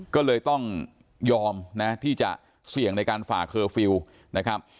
ก็เลยต้องยอมนะที่จะเสี่ยงในการฝ่าเคอร์ฟิลล์นะครับ